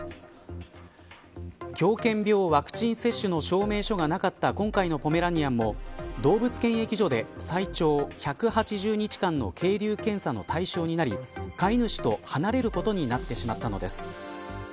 狂犬病ワクチン接種の証明書がなかった今回のポメラニアンも動物検疫所で最長１８０日間の係留検査の対象になり飼い主と離れることになってしまったのです。